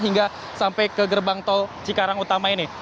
hingga sampai ke gerbang tol cikarang utama ini